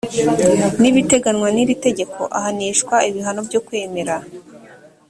n ibiteganywa n iri tegeko ahanishwa ibihano byo kwemera